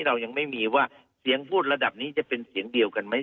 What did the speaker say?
เรายังไม่มีว่าเสียงพูดระดับนี้จะเป็นเสียงเดียวกันไหม